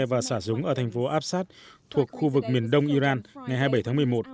và xả súng ở thành phố absat thuộc khu vực miền đông iran ngày hai mươi bảy tháng một mươi một